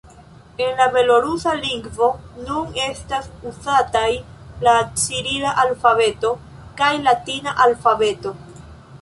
En la belorusa lingvo nun estas uzataj la cirila alfabeto kaj latina alfabeto.